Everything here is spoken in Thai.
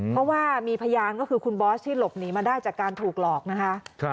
เพราะว่ามีพยานก็คือคุณบอสที่หลบหนีมาได้จากการถูกหลอกนะคะ